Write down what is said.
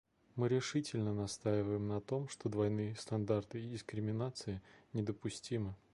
Мы решительно настаиваем на том, что двойные стандарты и дискриминация недопустимы.